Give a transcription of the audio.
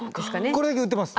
これだけ売ってます。